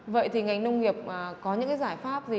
vậy thì ngành nông nghiệp có những cái giải pháp gì